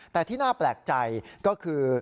แต่ที่น่าแปลกใจก็คือ